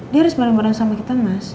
dia harus bareng bareng sama kita mas